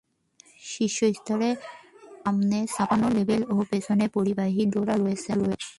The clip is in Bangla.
শীর্ষ স্তরে সামনে ছাপানো লেবেল ও পেছনে পরিবাহী ডোরা রয়েছে।